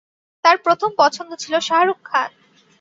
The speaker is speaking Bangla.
তাঁর প্রথম পছন্দ ছিল শাহরুখ খান।